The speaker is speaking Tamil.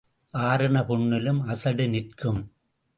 ஆறின புண்ணிலும் அசடு நிற்கும்.